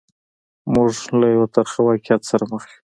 موږ له یوه ترخه واقعیت سره مخامخ یو.